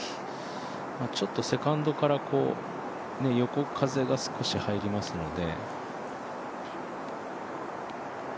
ちょっとセカンドから横風が少し入りますので。